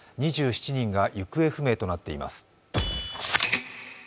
２７人が行方不明となっています。